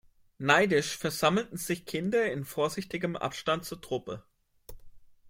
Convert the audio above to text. Neidisch versammelten sich Kinder in vorsichtigem Abstand zur Truppe.